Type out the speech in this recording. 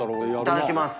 いただきます。